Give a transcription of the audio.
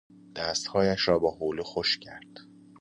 دستهایش را با حوله خشک کرد.